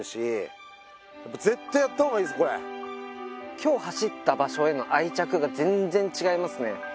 今日走った場所への愛着が全然違いますね